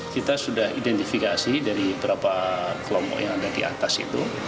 kita sudah identifikasi dari berapa kelompok yang ada di atas itu